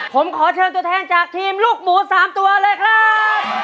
ผมขอเชิญตัวแทนจากทีมลูกหมู๓ตัวเลยครับ